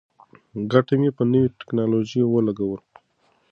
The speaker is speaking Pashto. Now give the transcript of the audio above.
ګټه مې په نوې ټیکنالوژۍ ولګوله.